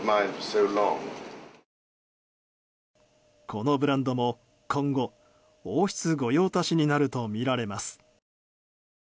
このブランドも今後王室御用達になるとみられます。